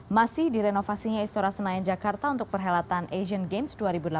masih direnovasinya istora senayan jakarta untuk perhelatan asian games dua ribu delapan belas